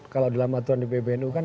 kalau dalam aturan di pbnu kan